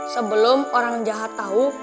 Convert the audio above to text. sebelum orang jahat tahu